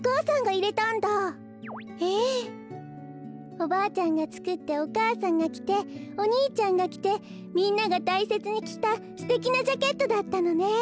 おばあちゃんがつくってお母さんがきてお兄ちゃんがきてみんながたいせつにきたすてきなジャケットだったのね。